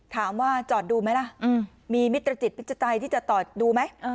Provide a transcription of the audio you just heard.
ถามว่าจอดดูไหมล่ะมีมิตรจิตมิจจัยที่จะต่อดูไหม